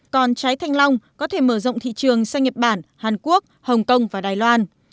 còn trái thanh long có thể mở rộng thị trường sang nhật bản hàn quốc hồng kông và đài loan